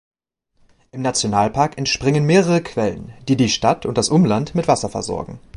Im Nationalpark entspringen mehrere Quellen, die die Stadt und das Umland mit Wasser versorgen.